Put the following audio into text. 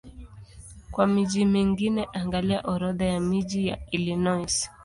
Kwa miji mingine angalia Orodha ya miji ya Illinois.